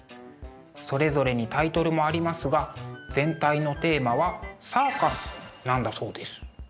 それぞれにタイトルもありますが全体のテーマは「サーカス」なんだそうです。